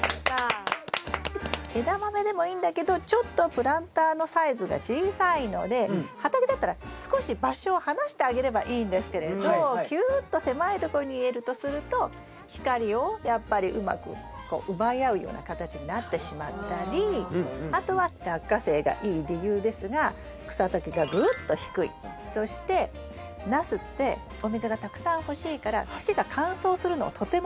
エダマメでもいいんだけどちょっとプランターのサイズが小さいので畑だったら少し場所を離してあげればいいんですけれどきゅっと狭いところに入れるとすると光をやっぱりうまく奪い合うような形になってしまったりあとはラッカセイがいい理由ですが草丈がぐっと低いそしてナスってお水がたくさん欲しいから土が乾燥するのをとても嫌がります。